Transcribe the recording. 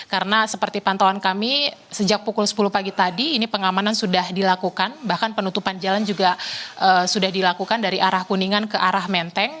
karena seperti pantauan kami sejak pukul sepuluh pagi tadi ini pengamanan sudah dilakukan bahkan penutupan jalan juga sudah dilakukan dari arah kuningan ke arah menteng